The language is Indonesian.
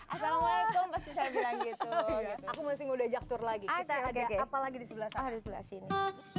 aku masih udah jaktur lagi kita ada apalagi di sebelah sebelah sini